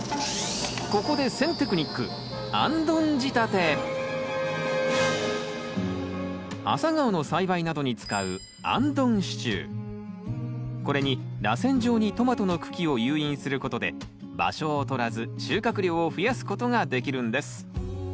ここでアサガオの栽培などに使うこれにらせん状にトマトの茎を誘引することで場所をとらず収穫量を増やすことができるんです。